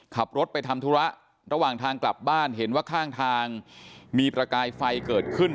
ขับรถไปทำธุระระหว่างทางกลับบ้านเห็นว่าข้างทางมีประกายไฟเกิดขึ้น